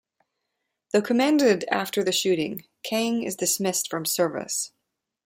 Though commended after the shooting, Kang is dismissed from service.